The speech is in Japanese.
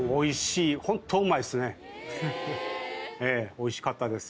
美味しかったです。